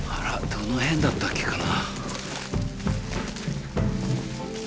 どの辺だったっけかな？